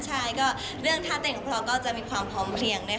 ใช่ก็เรื่องท่าเต้นกับเราก็จะมีความพร้อมเพลงด้วยค่ะ